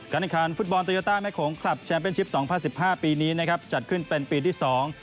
การแข่งขันฟุตบอลโตยัตตาแม่ของคลับแชมป์เป็นชิป๒๐๑๕ปีนี้จัดขึ้นเป็นปีที่สอง